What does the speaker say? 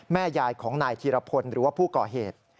แม่ยายของนายธีรพลหรือว่าผู้ก่อเหตุ